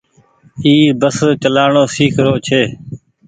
اي بس چلآڻو سيک رو ڇي۔